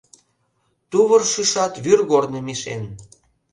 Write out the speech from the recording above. — Тувыр шӱшат вӱргорным ишен.